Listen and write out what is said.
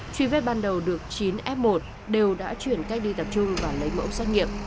truy vết ban đầu được chín f một đều đã chuyển cách ly tập trung và lấy mẫu xét nghiệm